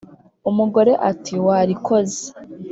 umugore ati: "warikoze."